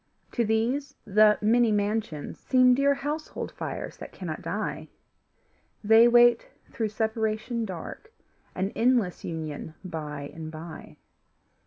To these the many mansions seem Dear household fires that cannot die; They wait through separation dark An endless union by and by.